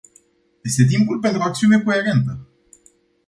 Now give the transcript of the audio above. Este timpul pentru o acțiune coerentă!